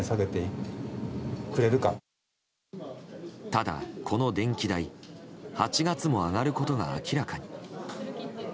ただ、この電気代８月も上がることが明らかに。